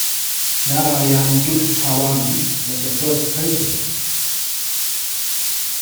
Narayan Dutt Tiwari was the first President.